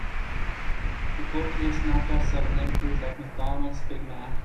The books list knock-offs of named foods, like McDonald's Big Mac.